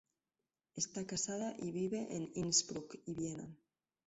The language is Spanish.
Está casada y vive en Innsbruck y Viena.